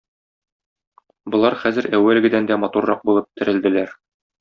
Болар хәзер әүвәлгедән дә матуррак булып терелделәр.